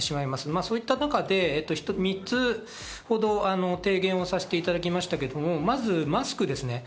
そういった中で３つほど提言させていただきましたけど、まずマスクです。